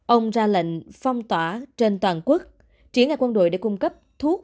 ông ra lệnh phong tỏa trên toàn quốc triển khai quân đội để cung cấp thuốc